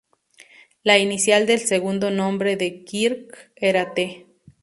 La inicial del segundo nombre de Kirk era "T".